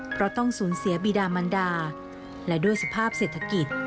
เพราะต้องสูญเสียบีดามันดาและด้วยสภาพเศรษฐกิจ